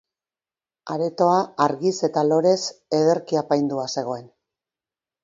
Aretoa argiz eta lorez ederki apaindua zegoen.